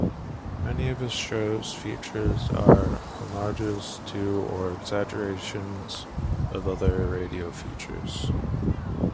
Many of his show's features are homages to or exaggerations of other radio features.